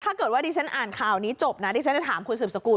ถ้าเกิดว่าดิฉันอ่านข่าวนี้จบนะดิฉันจะถามคุณสืบสกุล